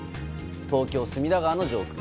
東京・隅田川の上空。